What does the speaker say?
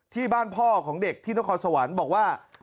พ่อของเด็กที่นครสวรรค์บอกว่า